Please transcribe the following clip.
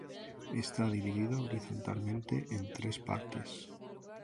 Está dividido horizontalmente en tres partes.